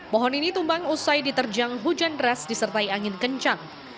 pohon ini tumbang usai diterjang hujan deras disertai angin kencang